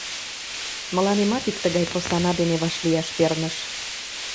Мыланемат ик тыгай посана дене вашлияш перныш.